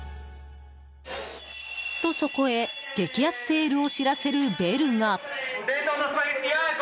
と、そこへ激安セールを知らせるベルが！